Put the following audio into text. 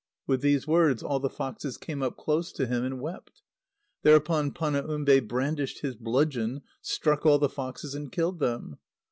With these words, all the foxes came up close to him, and wept. Thereupon Panaumbe brandished his bludgeon, struck all the foxes, and killed them.